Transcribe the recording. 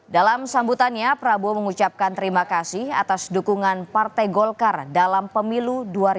dalam sambutannya prabowo mengucapkan terima kasih atas dukungan partai golkar dalam pemilu dua ribu dua puluh